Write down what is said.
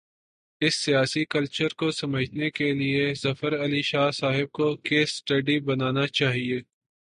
اس سیاسی کلچر کو سمجھنے کے لیے، ظفر علی شاہ صاحب کو "کیس سٹڈی" بنا نا چاہیے۔